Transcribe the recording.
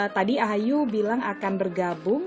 tadi ahayu bilang akan bergabung